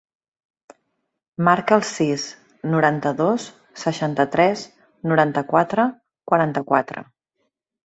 Marca el sis, noranta-dos, seixanta-tres, noranta-quatre, quaranta-quatre.